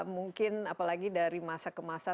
mungkin apalagi dari masa ke masa